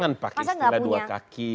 jangan pakai setengah dua kaki